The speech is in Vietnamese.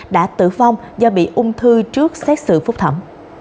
đã tử vong do bị ung thư trước xét xử phúc thẩm